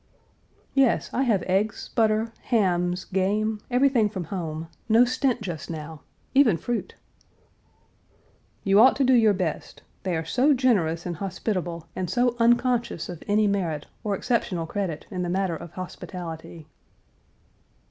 " "Yes, I have eggs, butter, hams, game, everything from home; no stint just now; even fruit." "You ought to do your best. They are so generous and hospitable and so unconscious of any merit, or exceptional credit, in the matter of hospitality."